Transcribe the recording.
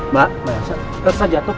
mbak elsa jatuh pak